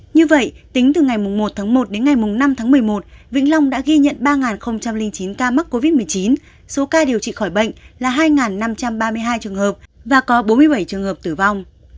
như vậy tính từ ngày một tháng một đến ngày năm tháng một mươi một vĩnh long đã ghi nhận ba chín ca mắc covid một mươi chín số ca điều trị khỏi bệnh là hai năm trăm ba mươi hai trường hợp và có bốn mươi bảy trường hợp tử vong